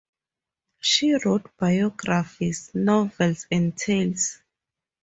She wrote biographies, novels and tales.